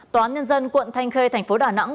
tòa án nhân dân quận thanh khê thành phố đà nẵng